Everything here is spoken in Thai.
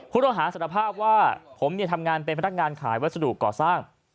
สารภาพว่าผมทำงานเป็นพนักงานขายวัสดุก่อสร้าง